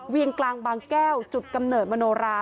กลางบางแก้วจุดกำเนิดมโนรา